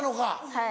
はい。